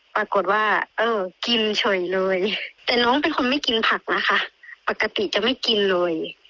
ปรากฏว่าเออกินเฉยเลยแต่น้องเป็นคนไม่กินผักนะคะปกติจะไม่กินเลย